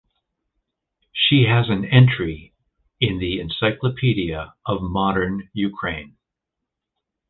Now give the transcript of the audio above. She has an entry in the Encyclopedia of Modern Ukraine.